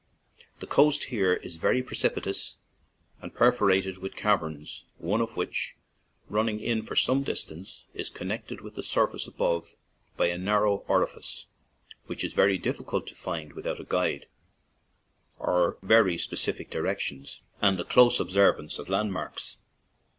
The coast here is very precipitous and perforated with caverns, one of which, running in for some distance, is connected with the surface 26 a c fa 2; a H t> O c n a c X o > DUNFANAGHY TO FALLCARRAGH above by a narrow orifice, which is very difficult to find without a guide, or very specific directions and the close observance of landmarks.